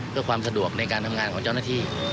เพื่อความสะดวกในการทำงานของเจ้าหน้าที่